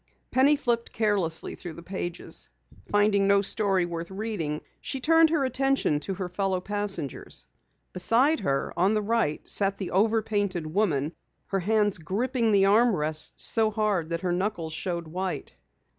Penny flipped carelessly through the pages. Finding no story worth reading, she turned her attention to her fellow passengers. Beside her, on the right, sat the over painted woman, her hands gripping the arm rests so hard that her knuckles showed white.